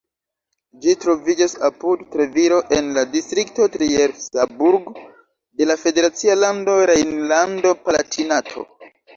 Ĝi troviĝas apud Treviro en la distrikto Trier-Saarburg de la federacia lando Rejnlando-Palatinato.